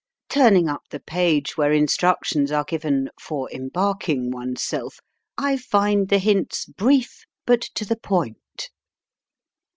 Turning up the page where instructions are given " For embarking one's self," I find the hints brief, but to the point.